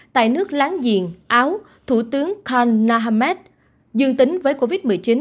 tại nước láng giềng áo thủ tướng karl nahmed dương tính với covid một mươi chín